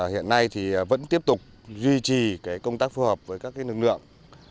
hiện nay thì vẫn tiếp tục duy trì cái công tác phù hợp với các cái lực lượng